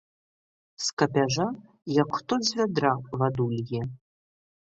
З капяжа як хто з вядра ваду лье.